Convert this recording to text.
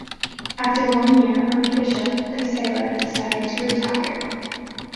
After one year, Archbishop Kucera decided to retire.